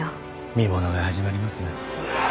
見ものが始まりますな。